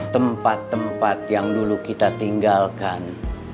tempat tempat yang dulu kita tinggalkan